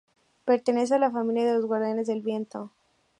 Pertenece a la familia de los Guardianes del Viento.